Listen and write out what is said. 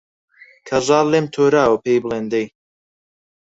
کەژاڵ لێم تۆراوە پێی بڵێن دەی